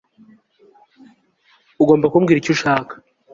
ugomba kumbwira icyo ushaka